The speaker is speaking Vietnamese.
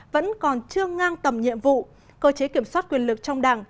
vẫn còn chưa ngang tầm nhiệm vụ cơ chế kiểm soát quyền lực trong đảng